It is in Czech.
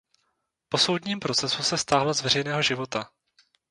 Po soudním procesu se stáhl z veřejného života.